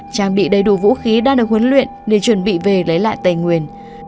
trang bị đầy đủ vũ khí đang được huấn luyện để chuẩn bị về lấy lại tây nguyên